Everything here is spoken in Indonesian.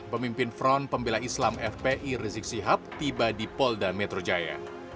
pemimpin front pembela islam fpi rizik sihab tiba di polda metro jaya